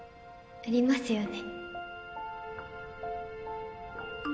ありますよね